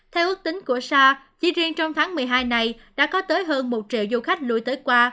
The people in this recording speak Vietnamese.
theo ước tính của sa chỉ riêng trong tháng một mươi hai này đã có tới hơn một triệu du khách lùi tới qua